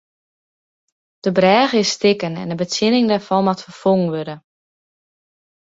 De brêge is stikken en de betsjinning dêrfan moat ferfongen wurde.